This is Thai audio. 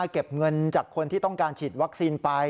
เก็บเงินจากคนที่ต้องการฉีดวัคซีนไป